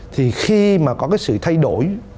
thì khi mà có cái sự thay đổi